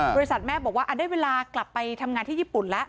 บริษัทแม่บอกว่าได้เวลากลับไปทำงานที่ญี่ปุ่นแล้ว